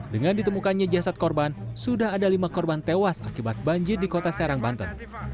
dengan ditemukannya jasad korban sudah ada lima korban tewas akibat banjir di kota serang banten